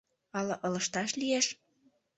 Ала ылыжташ лиеш?